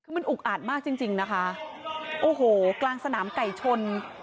คือมันอุกอาดมากจริงจริงนะคะโอ้โหกลางสนามไก่ชน